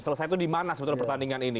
selesai itu dimana sebetulnya pertandingan ini